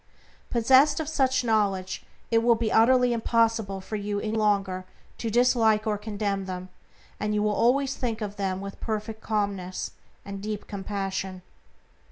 Possessed of such knowledge it will be utterly impossible for you any longer to dislike or condemn them, and you will always think of them with perfect calmness and deep compassion.